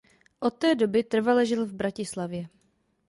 Od té doby trvale žil v Bratislavě.